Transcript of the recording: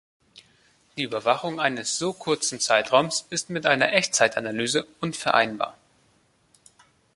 Die Überwachung eines so kurzen Zeitraums ist mit einer Echtzeitanalyse unvereinbar.